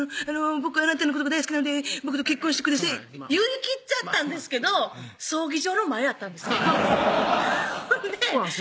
「僕はあなたのこと大好きなんで僕と結婚してください」言いきっちゃったんですけど葬儀場の前やったんですそうなんです